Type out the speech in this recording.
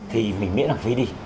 thì mình miễn học phí đi